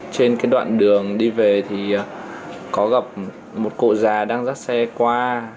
trên cái đoạn đường đi về thì có gặp một cụ già đang dắt xe qua